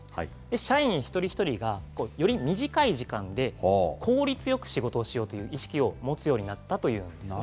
社員一人一人が、より短い時間で効率よく仕事をしようという意識を持つようになったというんですね。